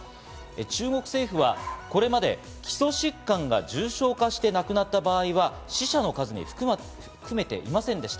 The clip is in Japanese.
中国政府はこれまで基礎疾患が重症化して亡くなった場合は死者の数に含めていませんでした。